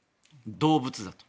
動物だと。